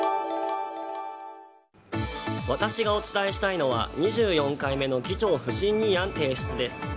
私がお伝えしたいのは２４回目の議長不信任案提出です。